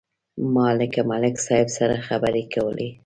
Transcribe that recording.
ما له ملک صاحب سره خبرې کولې.